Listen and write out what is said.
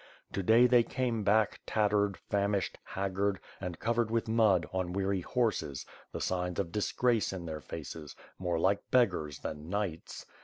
To day they came back, tattered, fa mished, haggard and covered with mud on weary horses, the signs of disgrace in their faces, more like beggars than knights.